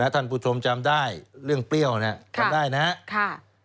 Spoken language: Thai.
ท่านผู้ชมจำได้เรื่องเปรี้ยวนี้